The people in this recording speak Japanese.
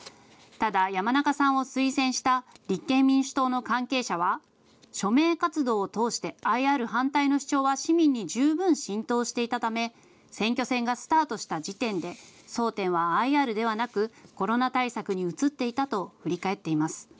ただ、山中さんを推薦した立憲民主党の関係者は署名活動を通してＩＲ反対の主張は市民に十分浸透していたため選挙戦がスタートした時点で争点はＩＲではなくコロナ対策に移っていたと振り返っています。